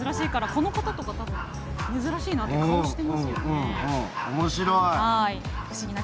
この子とか珍しいなって顔をしていますよね。